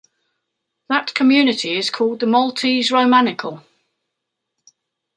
That community is called the Maltese Romanichal.